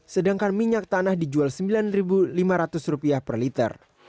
sedangkan minyak tanah dijual rp sembilan lima ratus per liter